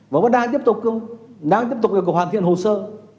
và vẫn đang tiếp tục đang tiếp tục hoàn thiện hồ sơ